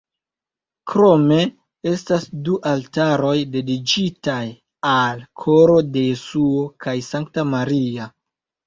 Krome estas du altaroj dediĉitaj al Koro de Jesuo kaj Sankta Maria.